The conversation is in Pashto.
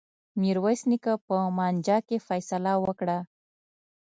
میرويس نیکه په مانجه کي فيصله وکړه.